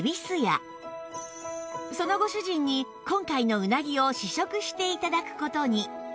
そのご主人に今回のうなぎを試食して頂く事に